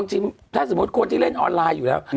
จริงถ้าสมมุติคนที่เล่นออนไลน์อยู่แล้ว